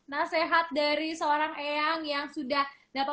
nasihat dari seorang yang yang sudah